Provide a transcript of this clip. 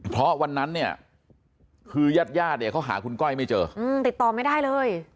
เพราะวันนั้นเนี่ยคือยาดเขาหาคุณก้อยไม่เจอติดต่อไม่ได้เลย